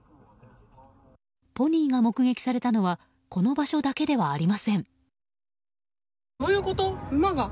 ポニーが目撃されたのはこの場所だけではありません。